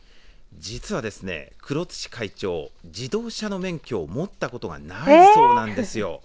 実は、黒土会長自動車の免許を持ったことがないそうなんですよ。